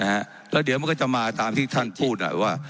แล้วเดี๋ยวมันก็จะมาตามที่ท่านพูดหน่อยว่า